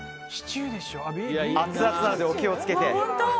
アツアツなのでお気をつけて。